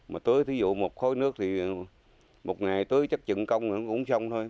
mà tưới ví dụ một khối nước thì một ngày tưới chắc chừng công cũng xong thôi